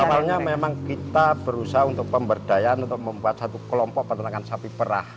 awalnya memang kita berusaha untuk pemberdayaan untuk membuat satu kelompok peternakan sapi perah